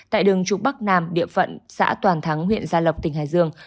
tại đường trục bắc nam địa phận xã toàn thắng huyện gia lộc tỉnh hải dương